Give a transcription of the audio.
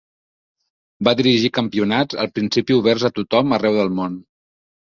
Va dirigir campionats, al principi oberts a tothom arreu del món.